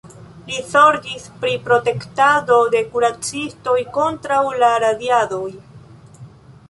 Li zorgis pri protektado de kuracistoj kontraŭ la radiadoj.